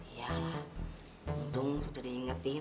iya untung sudah diingetin